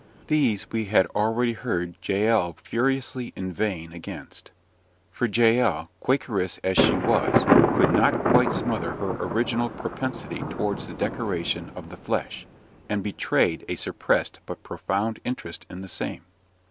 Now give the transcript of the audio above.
These we had already heard Jael furiously inveighing against: for Jael, Quakeress as she was, could not quite smother her original propensity towards the decoration of "the flesh," and betrayed a suppressed but profound interest in the same.